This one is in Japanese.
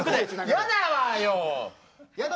やだわよ？